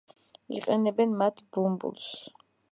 იყენებენ მათ ბუმბულს.